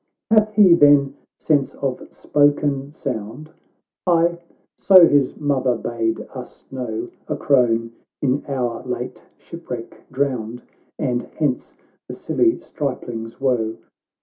— "Ilath he, then, sense of spoken sound ?"—" Aye ; so his mother bade us know, A crone in our late shipwreck drowned, And hence the silly stripling's woe.